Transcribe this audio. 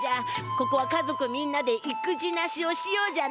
ここは家族みんなで「いくじなし」をしようじゃないか。